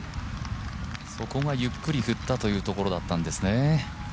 そこがゆっくり振ったというところだったんですね。